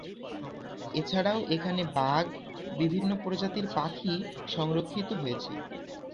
এছাড়াও এখানে বাঘ, বিভিন্ন প্রজাতির পাখি সংরক্ষিত হয়েছে।